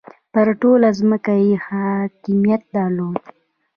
پر ټوله ځمکه یې حاکمیت درلود.